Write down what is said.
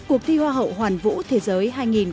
cuộc thi hoa hậu hoàn vũ thế giới hai nghìn một mươi tám